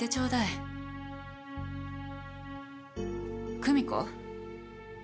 久美子？